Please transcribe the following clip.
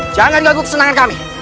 jangan ganggu kesenangan kami